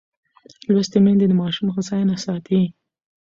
لوستې میندې د ماشوم هوساینه ساتي.